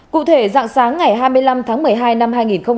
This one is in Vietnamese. cụ thể dạng sáng ngày hai mươi năm tháng một mươi hai năm hai nghìn hai mươi